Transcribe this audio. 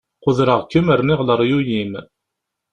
Qudreɣ-kem rniɣ leryuy-im.